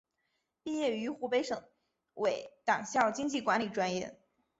毕业于湖北省委党校经济管理专业。